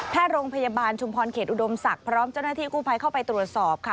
โรงพยาบาลชุมพรเขตอุดมศักดิ์พร้อมเจ้าหน้าที่กู้ภัยเข้าไปตรวจสอบค่ะ